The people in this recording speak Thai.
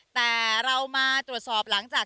แต่เรามาตรวจสอบหลังจาก